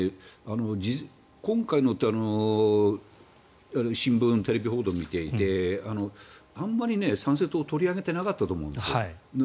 今回の新聞、テレビ報道を見ていてあんまり参政党取り上げてなかったと思うんですよ。